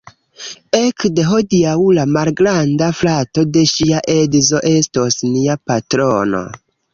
Ekde hodiaŭ la malgranda frato de ŝia edzo estos nia patrono